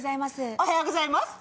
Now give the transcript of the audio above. おはようございます！